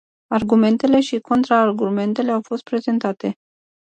Argumentele și contraargumentele au fost prezentate.